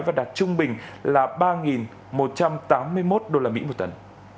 và đạt trung bình là ba một trăm tám mươi một usd một tần